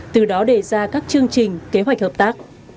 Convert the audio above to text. từ đó đề ra các chương trình kế hoạch hợp tác